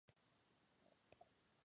Fue sepultado en la Catedral de Mantua.